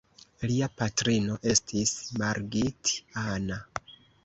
Lia patrino estis Margit Anna.